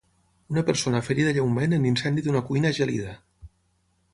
Una persona ferida lleument en l'incendi d'una cuina a Gelida.